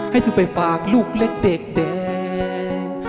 ให้เธอไปฝากลูกเล็กเด็กแดง